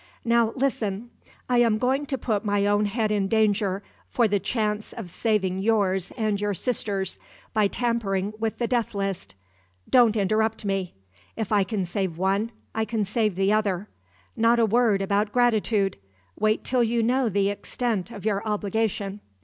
Now, listen; I am going to put my own head in danger for the chance of saving yours and your sister's by tampering with the death list. Don't interrupt me! If I can save one, I can save the other. Not a word about gratitude! Wait till you know the extent of your obligation.